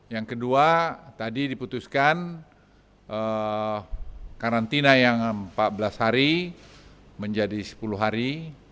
yang kedua tadi diputuskan karantina yang empat belas hari menjadi sepuluh hari